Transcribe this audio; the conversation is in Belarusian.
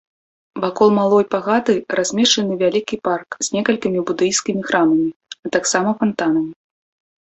Вакол малой пагады размешчаны вялікі парк з некалькімі будыйскімі храмамі, а таксама фантанам.